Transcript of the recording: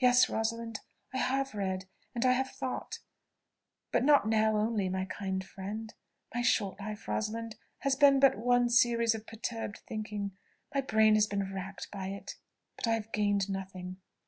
"Yes, Rosalind, I have read, and I have thought but not now only, my kind friend. My short life, Rosalind, has been but one series of perturbed thinking my brain has been racked by it. But I have gained nothing."